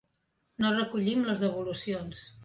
No recollim les devolucions.